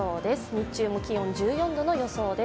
日中も気温１４度の予想です。